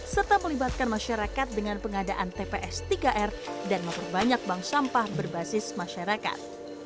serta melibatkan masyarakat dengan pengadaan tps tiga r dan memperbanyak bank sampah berbasis masyarakat